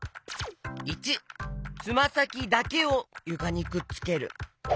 ①つまさきだけをゆかにくっつける。